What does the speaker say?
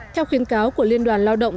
theo khuyến cáo của liên đoàn lao động